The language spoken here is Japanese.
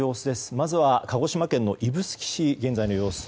まずは鹿児島県指宿市の現在の様子。